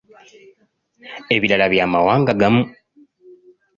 Ebirala bya mawanga gamu.